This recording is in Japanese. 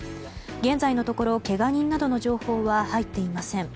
現在のところ、けが人などの情報は入っていません。